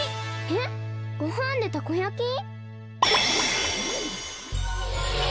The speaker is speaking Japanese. えっごはんでたこ焼き？